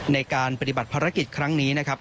ในการปฏิบัติภารกิจครั้งนี้นะครับ